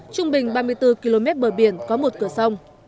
trung bình ba mươi bốn km bờ biển có một cửa sông